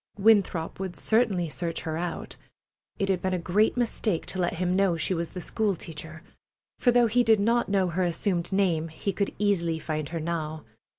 Winthrop would certainly search her out. It had been a great mistake to let him know she was the school teacher, for though he did not know her assumed name he could easily find her now.